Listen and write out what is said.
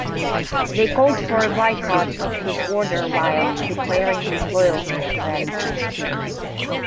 They called for a boycott of his order while declaring loyalty to Vatican.